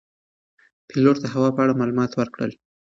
پیلوټ د هوا په اړه معلومات ورکړل.